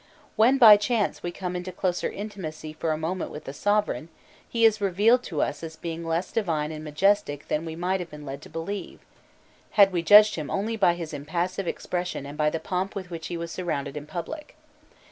When by chance we come into closer intimacy for a moment with the sovereign, he is revealed to us as being less divine and majestic than we might have been led to believe, had we judged him only by his impassive expression and by the pomp with which he was surrounded in public.